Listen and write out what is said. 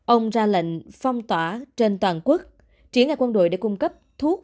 ông ra lệnh phong tỏa trên toàn quốc triển khai quân đội để cung cấp thuốc